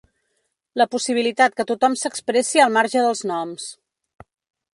La possibilitat que tothom s’expressi al marge dels noms.